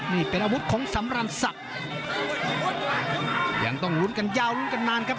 นี่เป็นอาวุธของสำราญศักดิ์ยังต้องลุ้นกันยาวรุ้นกันนานครับ